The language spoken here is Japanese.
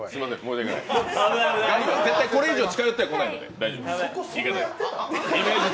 絶対これより近寄ってはこないので、大丈夫です。